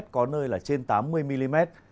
có nơi là trên tám mươi mm